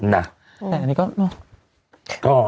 น่ะอันนี้ก็ก็